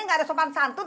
nggak ada sopan santun